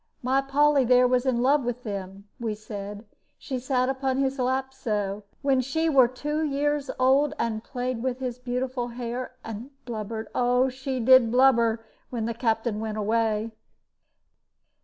My Polly there was in love with him, we said; she sat upon his lap so, when she were two years old, and played with his beautiful hair, and blubbered oh, she did blubber, when the Captain went away!"